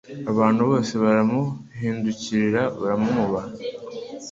Abantu bose baramuhindukirira baramwubaha